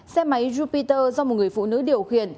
xe máy jupiter do một người phụ nữ điều khiển